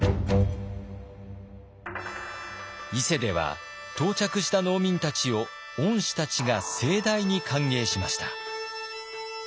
伊勢では到着した農民たちを御師たちが盛大に歓迎しました。